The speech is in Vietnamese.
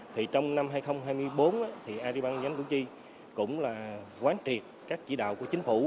trong năm hai nghìn hai mươi bốn arribang chi cũng quán triệt các chỉ đạo của chính phủ